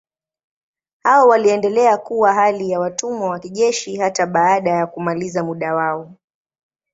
Hao waliendelea kuwa hali ya watumwa wa kijeshi hata baada ya kumaliza muda wao.